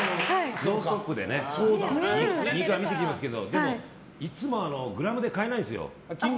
「ノンストップ！」で肉が出てきますけどでも、いつもグラムで買えないんですよ。